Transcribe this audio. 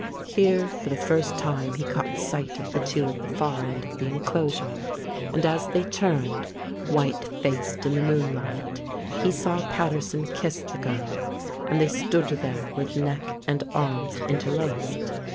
Here for the first time he caught sight of the two at the far end of the enclosure, and as they turned, white faced in the moonlight, he saw Paterson kiss the girl, and they stood there with neck and arms interlaced.